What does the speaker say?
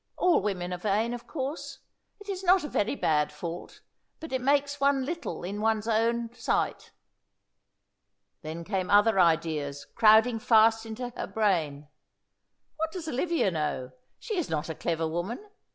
"All women are vain, of course. It is not a very bad fault, but it makes one little in one's own sight." Then came other ideas, crowding fast into her brain. "What does Olivia know? She is not a clever woman.